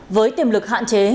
với tiềm lực hạn chế